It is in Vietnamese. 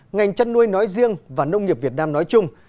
ngành chăn nuôi nói riêng và nông nghiệp việt nam nói chung